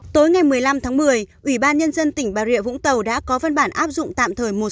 tối ngày một mươi năm tháng một mươi ủy ban nhân dân tỉnh bà rịa vũng tàu đã có văn bản áp dụng tạm thời một trăm linh